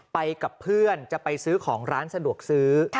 ไปกับเพื่อนจะไปซื้อของร้านสะดวกซื้อ